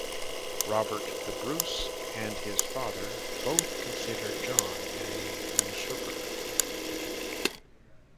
Robert the Bruce and his father both considered John a usurper.